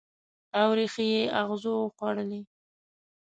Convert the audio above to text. او ریښې یې اغزو وخوړلي